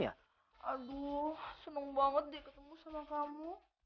aduh senang banget diketemu sama kamu